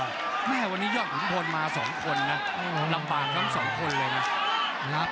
ไม่ให้วันนี้หย่อคุณพนธ์มาสองคนน่ะต้องรับแบบสองคนน่ะ